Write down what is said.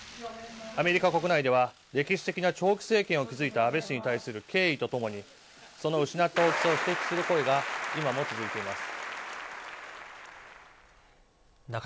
アメリカ国内では歴史的な長期政権を築いた安倍氏に対する敬意と共にその失った大きさを嘆く声が今も続いています。